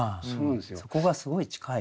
そこがすごい近い。